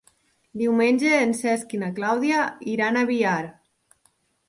Diumenge en Cesc i na Clàudia iran a Biar.